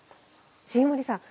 重森さん